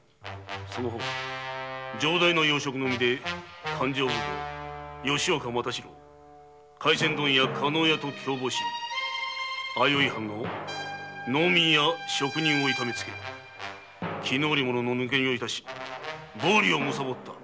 その方城代の要職の身で勘定奉行・吉岡又四郎廻船問屋・加納屋と共謀し相生藩の農民や職人を痛めつけ絹織物の抜け荷をいたし暴利を貪った。